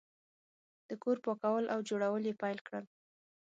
د کور پاکول او جوړول یې پیل کړل.